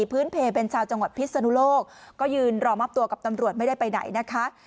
พื้นเพลเป็นชาวจังหวัดพิศนุโลกก็ยืนรอมอบตัวกับตำรวจไม่ได้ไปไหนนะคะ